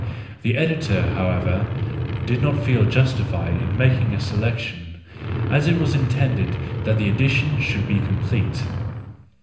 The Editor, however, did not feel justified in making a selection, as it was intended that the edition should be complete.